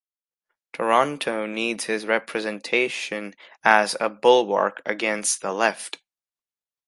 Toronto needs his representation as a bulwark against the left.